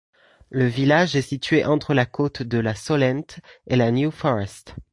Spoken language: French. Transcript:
Le village est situé entre la côte de la Solent et la New Forest.